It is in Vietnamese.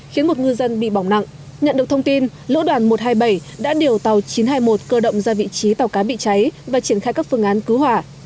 khiến một ngư dân bị bỏng nặng nhận được thông tin lỗ đoàn một trăm hai mươi bảy đã điều tàu chín trăm hai mươi một cơ động ra vị trí tàu cá bị cháy và triển khai các phương án cứu hỏa